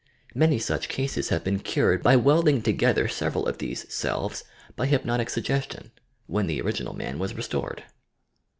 Many such cases have been THE SUBCONSCIOUS 41 cured by welding together several of these "selves" by hypnotic suggestion, when the original man was restored.